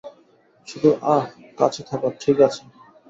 শুধু, আহ, কাছে থাকো, ঠিক আছে?